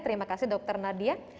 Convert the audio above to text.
terima kasih dr nadia